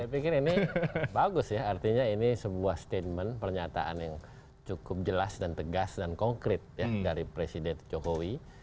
saya pikir ini bagus ya artinya ini sebuah statement pernyataan yang cukup jelas dan tegas dan konkret dari presiden jokowi